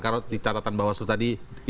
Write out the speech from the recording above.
karena di catatan bawah surut tadi